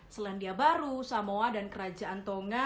selandia baru samoa dan kerajaan tonga